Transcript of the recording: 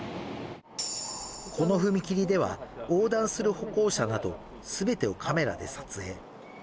この踏切では横断する歩行者など、すべてをカメラで撮影。